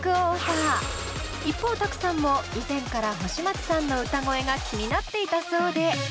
一方ＴＡＫＵさんも以前から星街さんの歌声が気になっていたそうで。